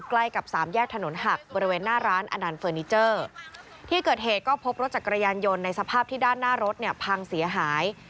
ใกล้กับสามแยกถนนหักบริเวณหน้าร้านอนันต์เฟอร์นิเจอร์ที่เกิดเหตุก็พบรถจักรยานยนต์ในสภาพที่ด้านหน้ารถเนี่ยพังเสียหาย